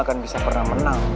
lo yang bisa pernah menang